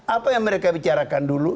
apa yang mereka bicarakan dulu